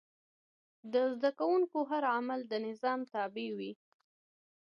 د زده کوونکو هر عمل د نظم تابع و.